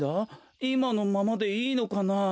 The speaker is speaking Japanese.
いまのままでいいのかなあ？